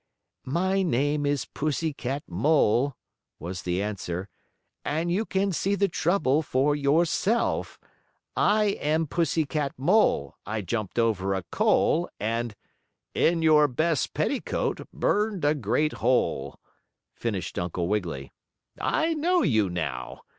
"My name is Pussy Cat Mole," was the answer, "and you can see the trouble for yourself. I am Pussy Cat Mole; I jumped over a coal, and " "In your best petticoat burned a great hole," finished Uncle Wiggily. "I know you, now.